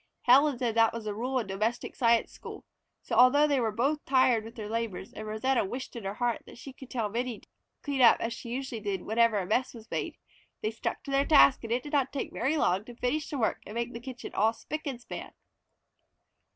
Helen said that was the rule in domestic science school, so although they were both tired with their labors and Rosanna wished in her heart that she could tell Minnie to clean up as she usually did whenever a mess was made, they stuck to their task and it did not take very long to finish the work and make the kitchen all spick and span.